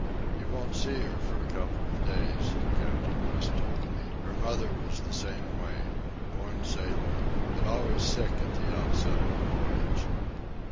"You won't see her for a couple of days," Captain West told me. "Her mother was the same way—a born sailor, but always sick at the outset of a voyage."